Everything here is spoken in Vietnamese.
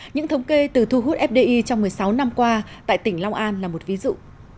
những thống kê từ thu hút fdi trong một mươi sáu năm qua tại tỉnh long an là một ví dụ